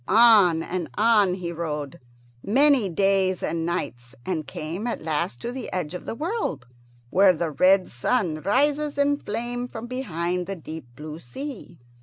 On and on he rode, many days and nights, and came at last to the edge of the world, where the red sun rises in flame from behind the deep blue sea.